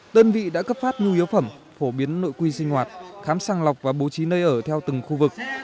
đơn vị đã cấp phát nhu yếu phẩm phổ biến nội quy sinh hoạt khám sàng lọc và bố trí nơi ở theo từng khu vực